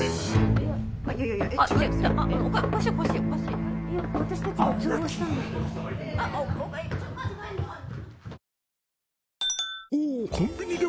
いや私たちが通報したんです。